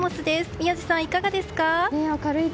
宮司さん、いかがですか。